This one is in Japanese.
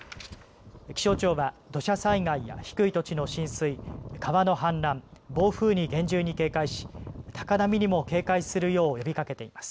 気象庁は土砂災害や低い土地の浸水、川の氾濫、暴風に厳重に警戒し高波にも警戒するよう呼びかけています。